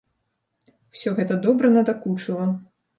Усё гэта добра надакучыла.